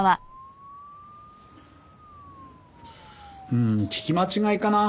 うーん聞き間違いかな？